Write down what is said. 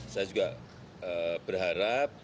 saya juga berharap